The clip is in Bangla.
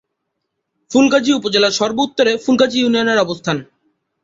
ফুলগাজী উপজেলার সর্ব-উত্তরে ফুলগাজী ইউনিয়নের অবস্থান।